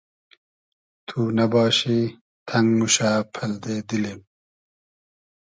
تو نئباشی تئنگ موشۂ پئلدې دیلیم